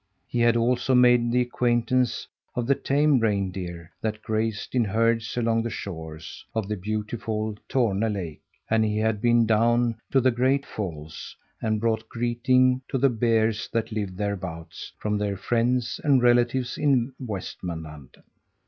He had also made the acquaintance of the tame reindeer that grazed in herds along the shores of the beautiful Torne Lake, and he had been down to the great falls and brought greetings to the bears that lived thereabouts from their friends and relatives in Westmanland.